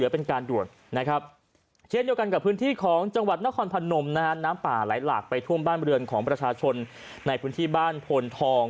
เพราะว่าน้ำป่าไหลหลากไปท่วมบ้านเบื้องของประชาชนในพื้นที่บ้านพลทอง